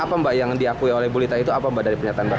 apa mbak yang diakui oleh bu lita itu apa mbak dari pernyataan mbak